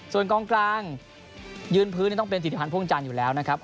ส่วนกองกลางยืนพื้นต้องเป็นสิทธิพันธ์พ่วงจันทร์อยู่แล้วนะครับ